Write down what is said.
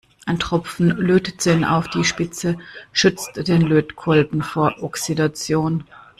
Ein Tropfen Lötzinn auf die Spitze schützt den Lötkolben vor Oxidation.